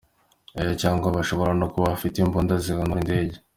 Oh, cyangwa bashobora no kuba bafite imbunda zihanura indege.